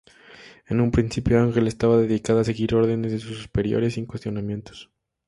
En un principio Angel estaba dedicada a seguir órdenes de sus superiores sin cuestionamientos.